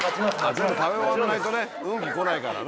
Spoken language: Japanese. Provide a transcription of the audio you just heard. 全部食べ終わんないとね運気来ないからね。